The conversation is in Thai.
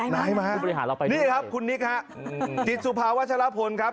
นี่ครับคุณนิกฮะจิตสุภาวชะละพลครับ